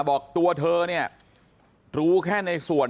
บอกว่าตัวเธอรู้แค่ในส่วน